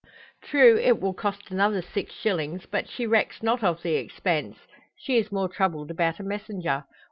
True, it will cost another six shillings, but she recks not of the expense. She is more troubled about a messenger.